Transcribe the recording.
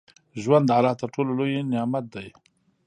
ژوند د الله تر ټولو لوى نعمت ديه.